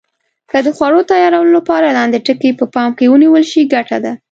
که د خوړو تیارولو لپاره لاندې ټکي په پام کې ونیول شي ګټه ده.